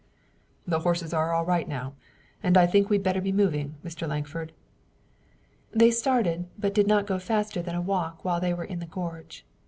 "The horses are all right now and I think we'd better be moving, Mr. Lankford." They started, but did not go faster than a walk while they were in the gorge.